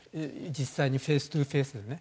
実際にフェーストゥフェースでね。